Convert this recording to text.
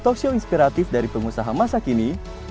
talkshow inspiratif dari pengusaha masa kini